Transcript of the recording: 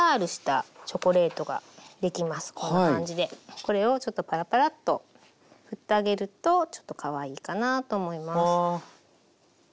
これをちょっとパラパラッとふってあげるとちょっとかわいいかなと思います。